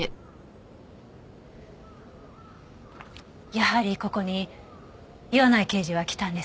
やはりここに岩内刑事は来たんですね？